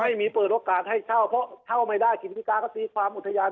เปิดโอกาสให้เช่าเพราะเช่าไม่ได้กิติกาก็ตีความอุทยาน